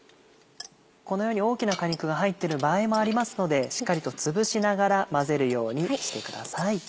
このように大きな果肉が入ってる場合もありますのでしっかりとつぶしながら混ぜるようにしてください。